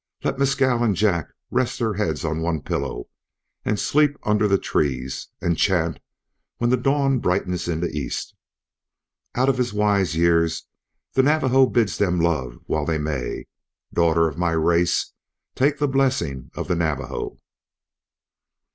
Let Mescal and Jack rest their heads on one pillow, and sleep under the trees, and chant when the dawn brightens in the east. Out of his wise years the Navajo bids them love while they may. Daughter of my race, take the blessing of the Navajo."